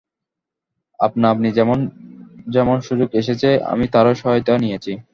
আপনা-আপনি যেমন যেমন সুযোগ এসেছে, আমি তারই সহায়তা নিয়েছি।